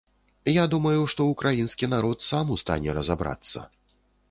Я думаю, што ўкраінскі народ сам у стане разабрацца.